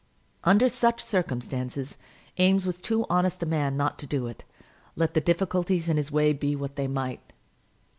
Under such circumstances Eames was too honest a man not to do it, let the difficulties in his way be what they might.